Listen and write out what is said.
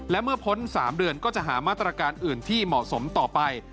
และเมื่อพ้น๓เดือนก็จะหามาตรการอื่นที่เหมาะสมต่อไป